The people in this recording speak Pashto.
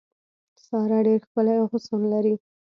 ساره ډېر ښکلی حسن لري.